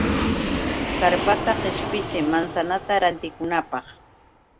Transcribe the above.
Karpata qishpichiy manzanata rantikunaapaq.